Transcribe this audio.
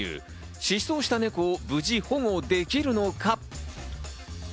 失踪したネコを無事保護できるのか？